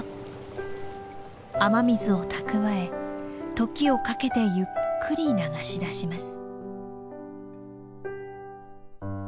雨水を蓄え時をかけてゆっくり流し出します。